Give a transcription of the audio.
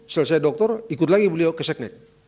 selesai dokter ikut lagi beliau ke seknek